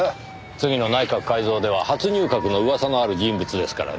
次の内閣改造では初入閣の噂のある人物ですからねぇ。